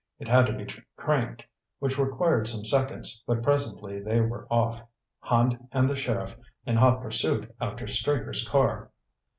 It had to be cranked, which required some seconds, but presently they were off Hand and the sheriff, in hot pursuit after Straker's car.